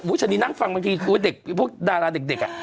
อุ้ยฉันนี้นั่งฟังบางทีอุ้ยเด็กพวกดาราเด็กเด็กอ่ะ